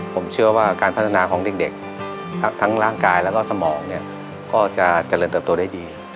ผมเชื่อว่าการพัฒนาของเด็กทั้งร่างกายแล้วก็สมองเนี่ยก็จะเจริญเติบโตได้ดี